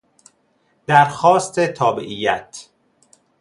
درخواست تابعیت